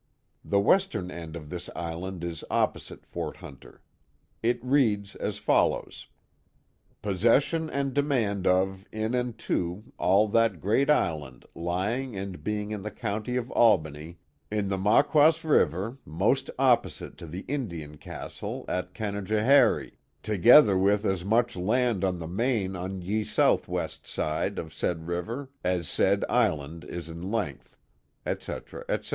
The western end of this island is opposite Fort Hunter. It reads as follows: as "... possession and demand of in and to all that great island lying and being in the county of Albany, in the Maquas river most opposite to llie Imiian castle at CaM^ johary, together with as much land on the main on ye soulb ' westsideof saidriverassaid island isin length." etc. etc.